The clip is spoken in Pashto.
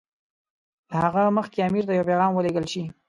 له هغه مخکې امیر ته یو پیغام ولېږل شي.